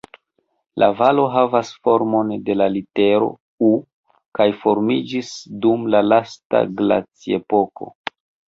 La valo havas formon de la litero "U" kaj formiĝis dum la lasta glaciepoko.